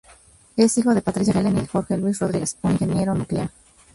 Es hijo de Patricia Helen y Jorge Luis Rodríguez, un ingeniero nuclear.